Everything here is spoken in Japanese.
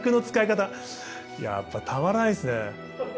やっぱたまらないっすね。